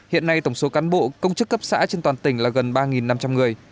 hiện nay tổng số cán bộ công chức cấp xã trên toàn tỉnh là gần ba năm trăm linh người